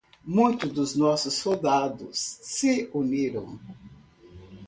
Muitos dos nossos soldados se uniram.